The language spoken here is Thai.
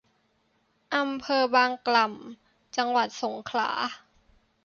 อำเภอบางกล่ำ จังหวัดสงขลา